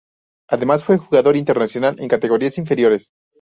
Además fue jugador internacional en categorías inferiores.